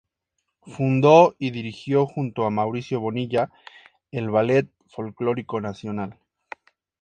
Fundó y dirigió, junto a Mauricio Bonilla, el Ballet Folclórico Nacional.